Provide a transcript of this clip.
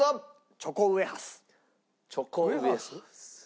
チョコウエハース。